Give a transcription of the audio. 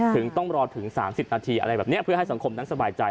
ถึงต้องรอถึง๓๐นาทีอะไรแบบนี้เพื่อให้สังคมนั้นสบายใจ